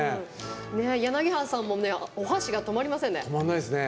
柳原さんもお箸が止まりませんね。